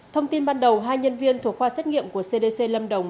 thông tin ban đầu hai nhân viên thuộc khoa xét nghiệm của cdc lâm đồng